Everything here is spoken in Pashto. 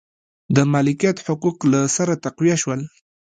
د مالکیت حقوق له سره تقویه شول.